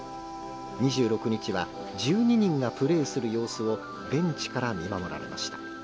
２６日は１２人がプレーする様子をベンチから見守られました。